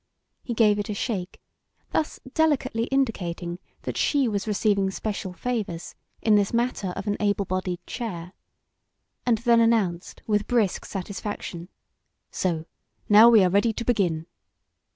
He gave it a shake, thus delicately indicating that she was receiving special favours in this matter of an able bodied chair, and then announced with brisk satisfaction: "So! Now we are ready to begin."